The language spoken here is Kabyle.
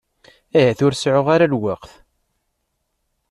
Ahat ur seɛɛuɣ ara lweqt.